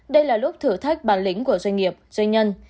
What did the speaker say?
đây là lúc thử thách bản lĩnh của doanh nghiệp doanh nhân